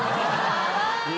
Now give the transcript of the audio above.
かわいい。